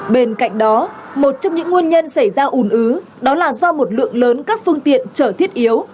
bên cạnh đó một trong những nguyên nhân xảy ra ủn ứ đó là do một lượng lớn các phương tiện chở thiết yếu